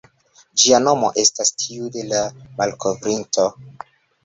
Ĝia nomo estas tiu de la malkovrinto.